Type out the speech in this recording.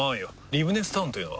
リブネスタウンというのは？